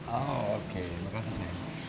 oh oke makasih sayang